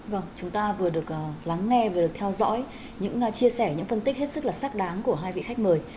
vâng chúng ta vừa được lắng nghe vừa được theo dõi những chia sẻ những phân tích hết sức là xác đáng của hai vị khách mời